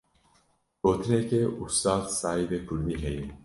Gotineke Ustad Saîdê Kurdî heye.